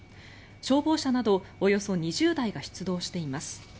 消防車などおよそ２０台が出動しています。